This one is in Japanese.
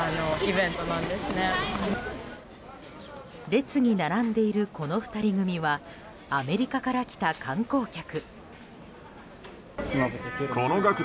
列に並んでいるこの２人組はアメリカから来た観光客。